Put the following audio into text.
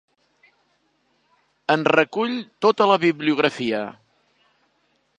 En recull tota la bibliografia.